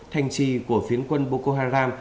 thành trì của phiến quân boko haram